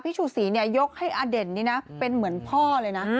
ชูศรียกให้อเด่นนี่นะเป็นเหมือนพ่อเลยนะ